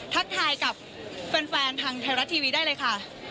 ทักทายกับแฟนทางไทยรัฐทีวีได้เลยค่ะ